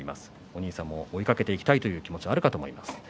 お兄さんを追いかけていきたいと気持ちがあると思います。